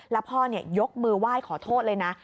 แล้วพ่อยกมือไหว้ขอโทษเลยนะ